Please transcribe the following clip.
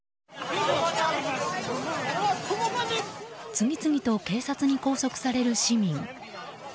次々と警察に拘束される市民。